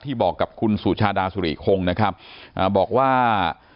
บอกกับคุณสุชาดาสุริคงนะครับอ่าบอกว่า